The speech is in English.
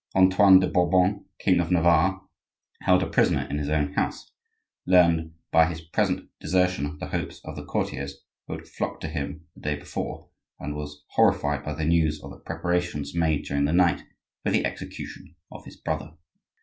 Antoine de Bourbon, king of Navarre, held a prisoner in his own house, learned by his present desertion the hopes of the courtiers who had flocked to him the day before, and was horrified by the news of the preparations made during the night for the execution of his brother.